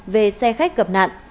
về xe khách gặp nạn